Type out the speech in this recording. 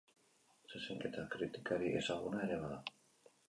Zezenketa kritikari ezaguna ere bada.